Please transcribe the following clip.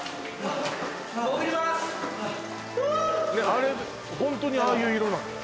あれホントにああいう色なの？